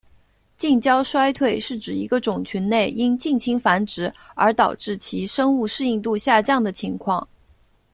近交衰退是指一个种群内因近亲繁殖而导致其生物适应度下降的情况。